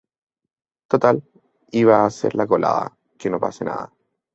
total, iba a hacer la colada. que no pasa nada.